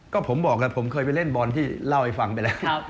ก็ผมบอกละผมเคยไปเล่นบอลที่อ่านฟังไปแหละ